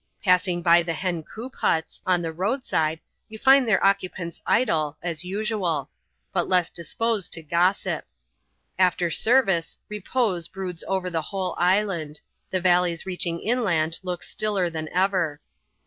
Passing by the hen coop huts, on the roadside, you find their occupants idle, as usual ; but less disposed to gossip. After service, repose broods over the whole island ; the valleys reach ing inland look stiller than ever.